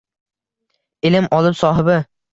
Ilm olib sohibi